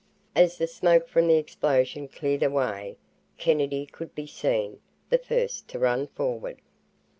As the smoke from the explosion cleared away, Kennedy could be seen, the first to run forward.